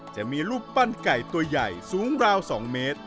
จะมีรูปปั้นไก่ตัวใหญ่สูงราว๒เมตร